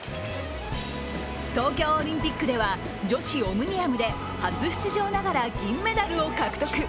東京オリンピックでは女子オムニアムで初出場ながら銀メダルを獲得。